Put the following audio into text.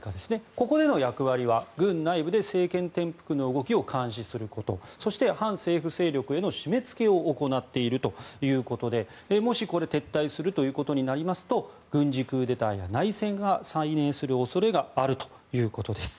ここでの役割は軍内部で政権転覆の動きを監視することそして反政府勢力への締めつけを行っているということでもしこれ、撤退するということになりますと軍事クーデターや内戦が再燃する恐れがあるということです。